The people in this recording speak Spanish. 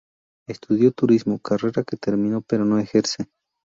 Estudió turismo, carrera que terminó pero no ejerce.